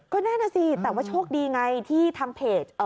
ก็นั่นน่ะสิแต่ว่าโชคดีไงที่ทางเพจ